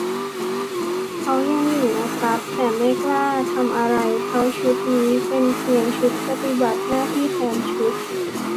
เขายังอยู่นะครับ แต่ไม่กล้าทำอะไร เพราะชุดนี้เป็นเพียง ชุดปฏิบัติหน้าที่แทนชุด